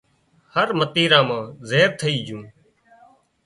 هر متيرا مان زهر ٿئي جھون